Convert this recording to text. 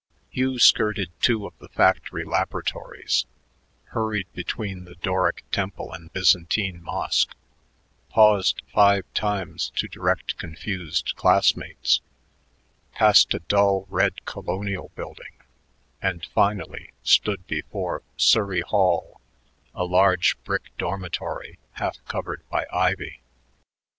Hugh skirted two of the factory laboratories, hurried between the Doric temple and Byzantine mosque, paused five times to direct confused classmates, passed a dull red colonial building, and finally stood before Surrey Hall, a large brick dormitory half covered by ivy.